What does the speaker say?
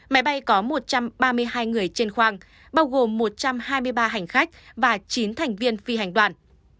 máy bay có một trăm ba mươi hai người trên khoang bao gồm một trăm hai mươi ba hành khách và chín thành viên phi hành đoàn